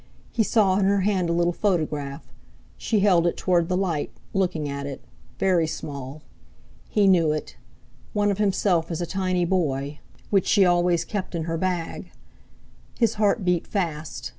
He saw in her hand a little photograph. She held it toward the light, looking at it—very small. He knew it—one of himself as a tiny boy, which she always kept in her bag. His heart beat fast.